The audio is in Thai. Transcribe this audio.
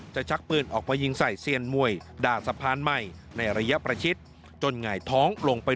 ชักปืนออกมายิงใส่เซียนมวยด่าสะพานใหม่ในระยะประชิดจนหงายท้องลงไป